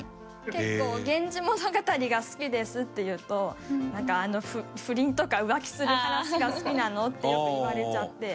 結構「『源氏物語』が好きです」って言うとなんか「不倫とか浮気する話が好きなの？」ってよく言われちゃって。